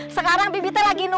sekarang bibi teh lagi di jakarta